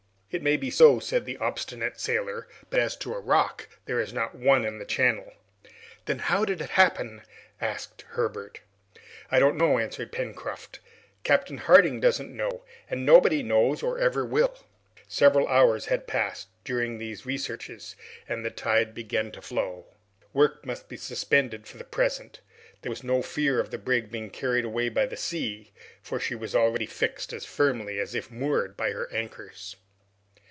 "It may be so," said the obstinate sailor; "but as to a rock, there is not one in the channel!" "Then, how did it happen?" asked Herbert. "I don't know," answered Pencroft, "Captain Harding doesn't know, and nobody knows or ever will know!" Several hours had passed during these researches, and the tide began to flow. Work must be suspended for the present. There was no fear of the brig being carried away by the sea, for she was already fixed as firmly as if moored by her anchors.